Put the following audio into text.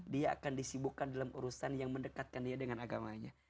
dia akan disibukkan dalam urusan yang mendekatkan dia dengan agamanya